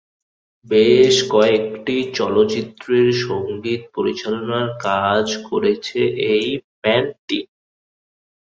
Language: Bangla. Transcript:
বেশ কয়েকটি চলচ্চিত্রে সংগীত পরিচালনার কাজ করেছে এই ব্যান্ডটি।